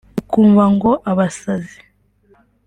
ukumva ngo abasazi